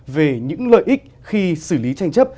về những lợi ích khi xử lý tranh chấp